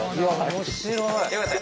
面白い。